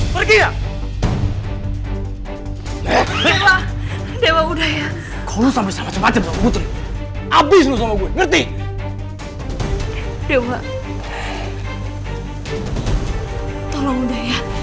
pergi ya dewa dewa udah ya kalau sampai sama cepat cepat abis ngerti dewa tolong udah ya